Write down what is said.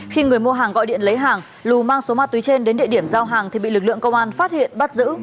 khi người mua hàng gọi điện lấy hàng lù mang số ma túy trên đến địa điểm giao hàng thì bị lực lượng công an phát hiện bắt giữ